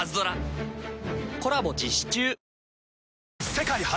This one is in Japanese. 世界初！